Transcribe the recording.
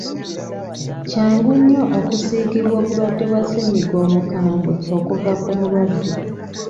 Kyangu nnyo okusiigibwa obulwadde bwa ssennyiga omukambwe okuva ku mulwadde.